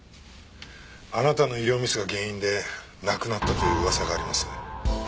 あなたの医療ミスが原因で亡くなったという噂があります。